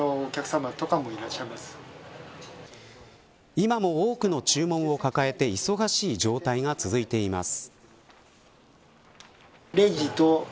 今も多くの注文を抱えて忙しい状態が続いています。